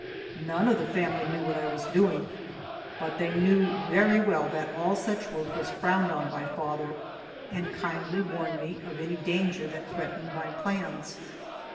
None of the family knew what I was doing, but they knew very well that all such work was frowned on by father, and kindly warned me of any danger that threatened my plans.